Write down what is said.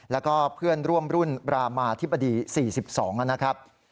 แล้วก็เพื่อนร่วมรุ่นรามาธิบดี๔๒นะครับ